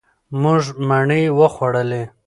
مونږه مڼې وخوړلې.